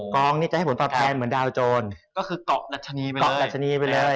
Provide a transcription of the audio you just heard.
กองนี้จะให้ผลตอบแทนเหมือนดาวโจรก็คือเกาะดัชนีไปเกาะดัชนีไปเลย